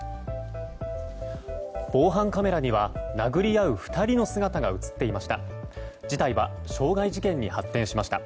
防犯カメラには殴り合う２人の姿が映っていました。